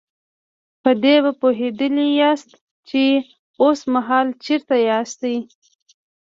په دې به پوهېدلي ياستئ چې اوسمهال چېرته ياستئ.